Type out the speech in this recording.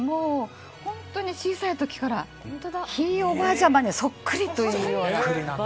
本当に小さい時からひいおばあちゃまにそっくりというか。